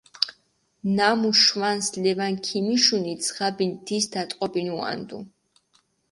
ნამუ შვანს ლევანი ქიმიშუნი, ძღაბი ნდის დატყობინუანდუ.